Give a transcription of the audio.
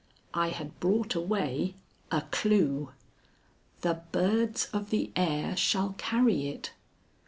I had brought away a clue. "The birds of the air shall carry it."